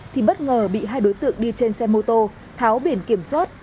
thì bất ngờ bị hai đối tượng đi trên xe mô tô tháo biển kiểm soát